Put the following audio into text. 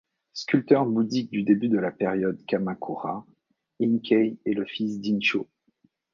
Sculpteur bouddhique du début de la période Kamakura, Inkei est le fils d'Inchō.